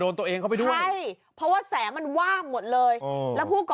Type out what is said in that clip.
น้องเมียนะ